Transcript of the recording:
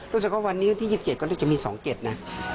รู้สึกว่าวันนี้วันที่๒๗ก็น่าจะมี๒๗นะ